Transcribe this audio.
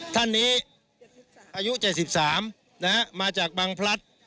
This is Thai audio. ท่านนี้อายุ๗๓นะฮะมาจากบังพลัทธ์